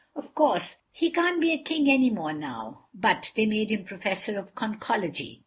Of course, he can't be a King anymore now—but they made him Professor of Conchology."